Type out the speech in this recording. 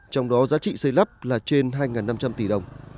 trong đó giá trị xây lắp là trên hai năm trăm linh tỷ đồng